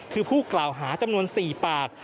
คือผู้กล่าวหาจำนวน๔ปาก